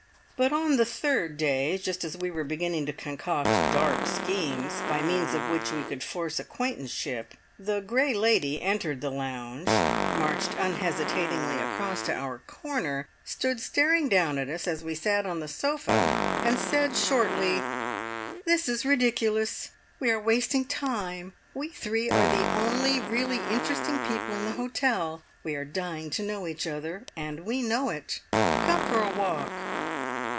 But on the third day, just as we were beginning to concoct dark schemes by means of which we could force acquaintanceship, the "grey lady" entered the lounge, marched unhesitatingly across to our corner, stood staring down at us as we sat on the sofa, and said shortly: "This is ridiculous! We are wasting time! We three are the only really interesting people in the hotel; we are dying to know each other and we know it! Come for a walk!"